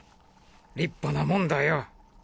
立派なもんだよ。